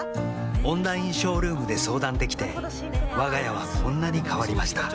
オンラインショールームで相談できてわが家はこんなに変わりました